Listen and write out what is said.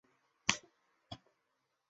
节目统筹有不同的看法。